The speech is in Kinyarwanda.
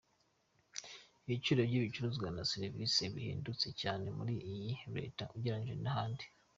Ibiciro by’ibicuruzwa na Servisi birahendutse cyane muri iyi Leta ugereranyije n’ahandi.